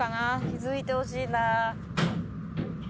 「気づいてほしいな」